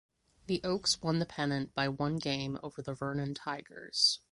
The Oaks won the pennant by one game over the Vernon Tigers.